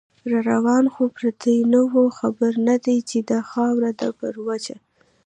راروان دی خو پردې نو خبر نه دی، چې دا خاوره ده پر وچه